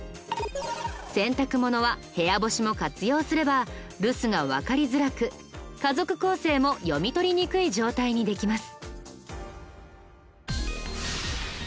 洗濯物は部屋干しも活用すれば留守がわかりづらく家族構成も読み取りにくい状態にできます。